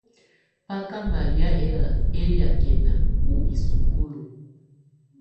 Bá ká malɛ̀á ɛlɛakɛna u isukulu.